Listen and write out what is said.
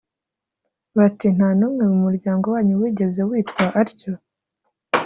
bati “ nta n’umwe mu muryango wanyu wigeze witwa atyo?”